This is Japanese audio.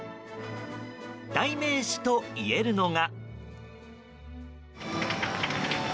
代名詞といえるのが。